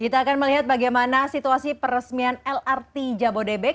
kita akan melihat bagaimana situasi peresmian lrt jabodebek